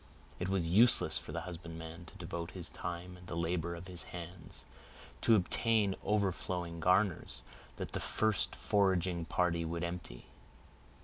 It was useless for the husbandman to devote his time and the labor of his hands, to obtain overflowing garners, that the first foraging party would empty.